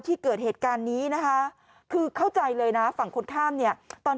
ที่เกิดเหตุการณ์นี้นะคะคือเข้าใจเลยนะฝั่งคนข้ามเนี่ยตอน